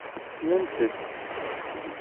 Ssnent-t.